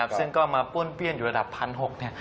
ซึ่งก็มาป้วนเปี้ยนอยู่ระดับ๑๖๐๐บาท